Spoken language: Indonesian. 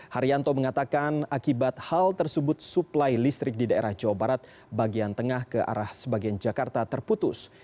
haryanto mengatakan akibat hal tersebut suplai listrik di daerah jawa barat bagian tengah ke arah sebagian jakarta terputus